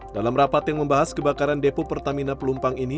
dalam rapat yang membahas kebakaran depo pertamina pelumpang ini